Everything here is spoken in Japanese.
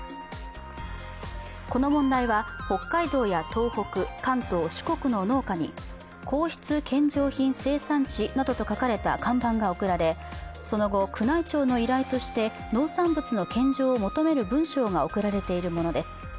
この問題は、北海道や東北関東、四国の農家に皇室献上品生産地などと書かれた看板が送られその後、宮内庁の依頼として農産物の献上を求める文章が贈られているものです。